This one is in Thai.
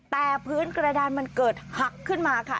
แต่พื้นกระดานมันเกิดหักขึ้นมาค่ะ